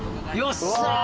よっしゃ！